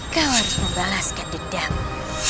kau harus membalaskan dedamu